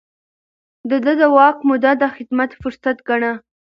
ده د واک موده د خدمت فرصت ګاڼه.